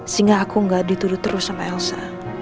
sehingga aku nggak dituduh terus sama elsa